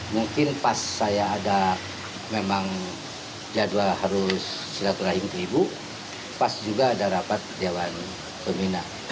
mungkin pas saya ada memang jadwal harus silaturahim ke ibu pas juga ada rapat dewan pembina